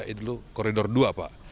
itu koridor dua pak